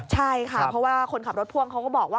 ใช่ค่ะเพราะว่าคนขับรถพ่วงเขาก็บอกว่า